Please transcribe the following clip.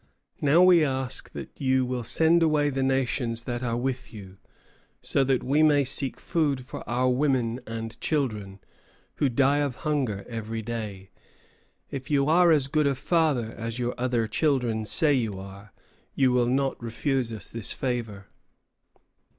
Now we ask that you will send away the nations that are with you, so that we may seek food for our women and children, who die of hunger every day. If you are as good a father as your other children say you are, you will not refuse us this favor."